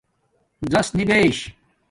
زس نَبش